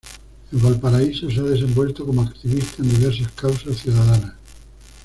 En Valparaíso se ha desenvuelto como activista en diversas causas ciudadanas.